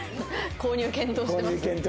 購入検討してるの。